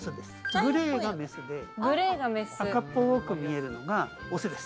グレーがメスで、赤っぽく見えるのがオスです。